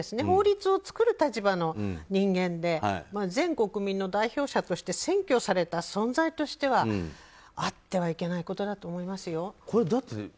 法律を作る立場の人間で、全国民の代表者として選挙された存在としてはあってはいけないことだと思いますよ。